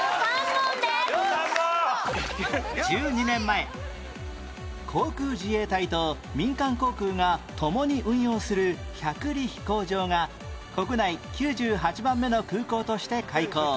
１２年前航空自衛隊と民間航空が共に運用する百里飛行場が国内９８番目の空港として開港